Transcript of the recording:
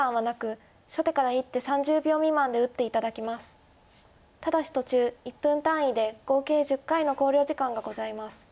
ただし途中１分単位で合計１０回の考慮時間がございます。